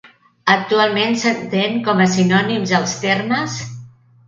Actualment s'entén com a sinònims els termes: